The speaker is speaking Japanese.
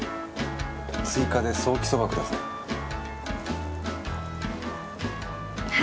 追加でソーキそばください。